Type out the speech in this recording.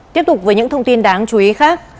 tiếp tục với những thông tin đáng chú ý khác